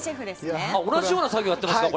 同じような作業をしていますね。